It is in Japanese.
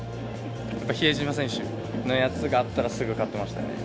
比江島選手のやつがあったら、すぐ買ってましたね。